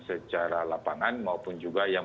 secara lapangan maupun juga yang